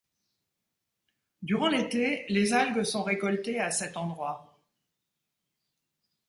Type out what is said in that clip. Durant l'été, les algues sont récoltées à cet endroit.